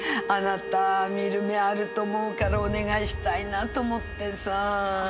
あなた見る目あると思うからお願いしたいなと思ってさ。